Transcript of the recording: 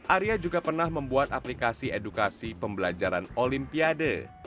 arya juga pernah membuat aplikasi edukasi pembelajaran olimpiade